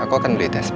aku akan belikan tes p